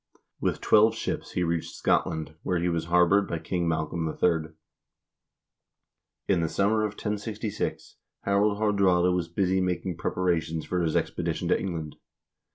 With twelve ships he reached Scotland, where he was harbored by King Malcolm III. In the summer of 1066 Harald Haardraade was busy making preparations for his expedition to England.